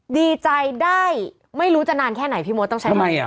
ดีใจได้ไม่รู้จะนานแค่ไหนพี่มดต้องใช้ทำไม